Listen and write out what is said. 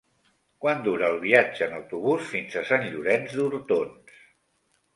Quant dura el viatge en autobús fins a Sant Llorenç d'Hortons?